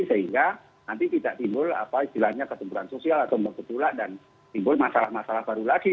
sehingga nanti tidak timbul apa istilahnya kesembuhan sosial atau menggedulak dan timbul masalah masalah baru lagi